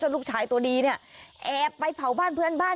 ลูกชายตัวดีเนี่ยแอบไปเผาบ้านเพื่อนบ้าน